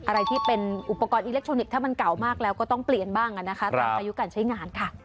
อะไรที่เป็นอุปกรณ์อิเล็กทรอนิกส์ถ้ามันเก่ามากแล้วก็ต้องเปลี่ยนบ้างนะคะตามอายุการใช้งานค่ะ